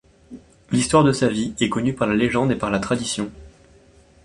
L'histoire de sa vie est connue par la légende et par la tradition.